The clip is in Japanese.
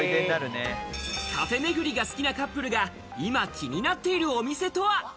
カフェめぐりが好きなカップルが今、気になっているお店とは。